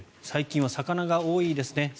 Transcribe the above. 最近は魚が多いですね。